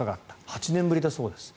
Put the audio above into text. ８年ぶりだそうです。